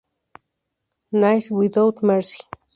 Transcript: Nice without Mercy.